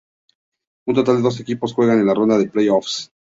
Un total de doce equipos juegan en la ronda de play-offs.